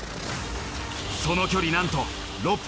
その距離なんと６００ｋｍ。